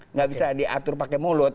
nggak bisa diatur pakai mulut